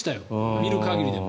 見る限りでは。